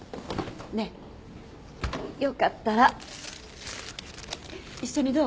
ねえよかったら一緒にどう？